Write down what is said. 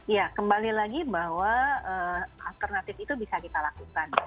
ya kembali lagi bahwa alternatif itu bisa kita lakukan